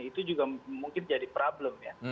itu juga mungkin jadi problem ya